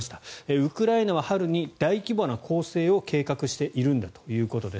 ウクライナは春に大規模な攻勢を計画しているんだということです。